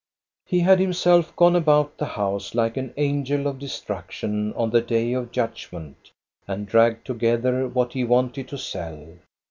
He had himself gone about the house like an angel of destruction on the day of judgment, and dragged together what he wanted to sell.